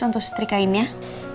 iya hari dieseom kan pas